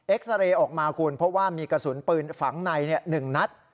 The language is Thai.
ซาเรย์ออกมาคุณเพราะว่ามีกระสุนปืนฝังใน๑นัด